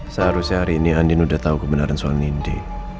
seharusnya hari ini andin udah tau kebenaran soal nindi